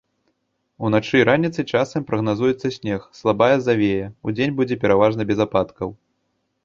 Уначы і раніцай часам прагназуецца снег, слабая завея, удзень будзе пераважна без ападкаў.